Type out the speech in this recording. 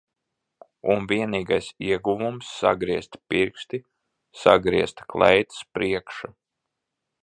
Un vienīgais ieguvums sagriezti pirksti, sagriezta kleitas priekša.